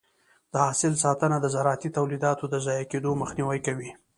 د حاصل ساتنه د زراعتي تولیداتو د ضایع کېدو مخنیوی کوي.